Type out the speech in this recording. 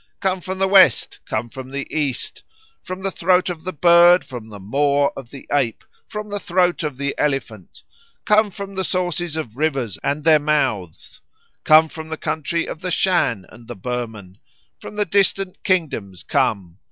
Come from the West, come from the East. From the throat of the bird, from the maw of the ape, from the throat of the elephant. Come from the sources of rivers and their mouths. Come from the country of the Shan and Burman. From the distant kingdoms come.